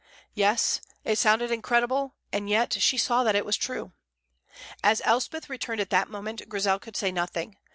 Yes, it sounded incredible, and yet she saw that it was true. As Elspeth returned at that moment, Grizel could say nothing.